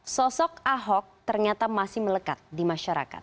sosok ahok ternyata masih melekat di masyarakat